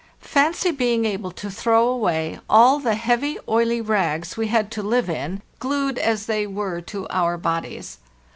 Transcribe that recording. Fancy being able to throw away all the heavy, oily rags we had to live in, glued as they were to our bodies!